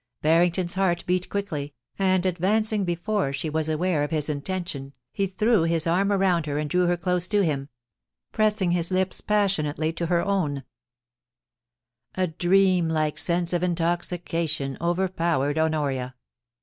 Barrington's heart beat quickly, and advancing before she was aware of his intention, he threw his arm around her and drew her close to him, pressing his lips passionately to her owa A dream like sense of intoxication overpowered Honoria.